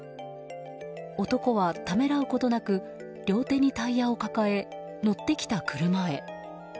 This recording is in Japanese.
男はためらうことなく両手にタイヤを抱え乗ってきた車へ。